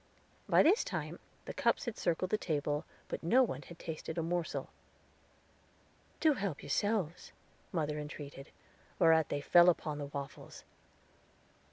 By this time the cups had circled the table, but no one had tasted a morsel. "Do help yourselves," mother entreated, whereat they fell upon the waffles.